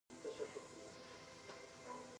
ایا زما خبرې ډیرې وې؟